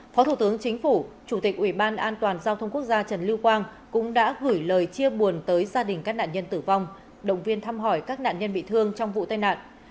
phó thủ tướng chính phủ chủ tịch ủy ban an toàn giao thông quốc gia trần lưu quang cũng đã gửi lời chia buồn tới gia đình các nạn nhân tử vong động viên thăm hỏi các nạn nhân bị thương trong vụ tai nạn